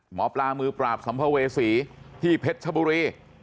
หมอปลามือปราบสัมภเวษีที่เพชรชบุรี